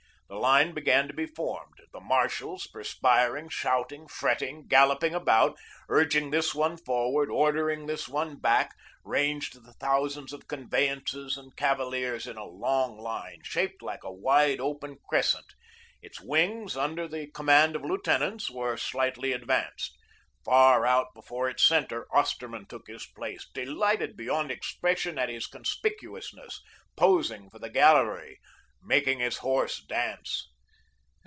The line began to be formed. The marshals perspiring, shouting, fretting, galloping about, urging this one forward, ordering this one back, ranged the thousands of conveyances and cavaliers in a long line, shaped like a wide open crescent. Its wings, under the command of lieutenants, were slightly advanced. Far out before its centre Osterman took his place, delighted beyond expression at his conspicuousness, posing for the gallery, making his horse dance.